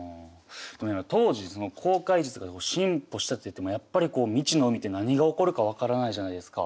当時その航海術が進歩したっていってもやっぱり未知の海って何が起こるか分からないじゃないですか。